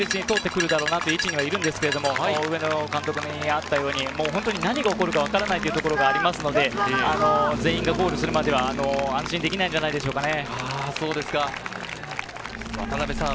この順位ですと立教、確実に通ってくるだろうなという位置にあるんですけど、上野監督にあったように本当に何が起こるかわからないっていうところがありますので、全員がゴールするまでは安心できないんじゃないでしょうかね。